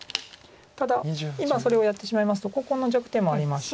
ただ今それをやってしまいますとここの弱点もありますし。